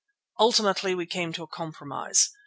Ultimately we came to a compromise.